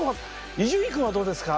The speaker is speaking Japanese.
伊集院君はどうですか？